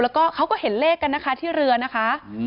แล้วก็เขาก็เห็นเลขกันนะคะที่เรือนะคะ